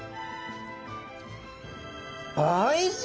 おいしい！